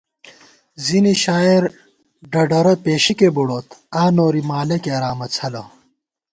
زِنی شاعر ڈَڈَرہ پېشِکے بُڑوت ، آں نوری مالہ کېرامہ څھلہ